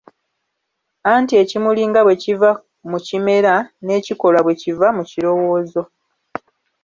Anti ekimuli nga bwe kiva mu kimera, n'ekikolwa bwe kiva mu kirowoozo.